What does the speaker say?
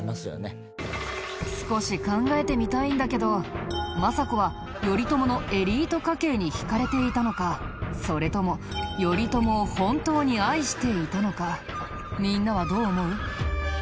少し考えてみたいんだけど政子は頼朝のエリート家系に惹かれていたのかそれとも頼朝を本当に愛していたのかみんなはどう思う？